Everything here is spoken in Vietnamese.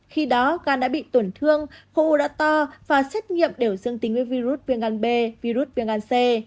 khi đó gan đã bị tổn thương khô u đã to và xét nghiệm đều dương tính với virus viêm gan b virus viêm gan c